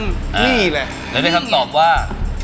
นี่แหละแล้วได้คำตอบว่า